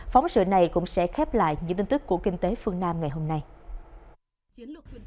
phóng sự này cũng sẽ khép lại những tin tức của kinh tế phương nam ngày hôm nay